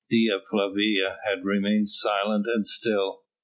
Dea Flavia had remained silent and still.